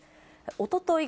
おととい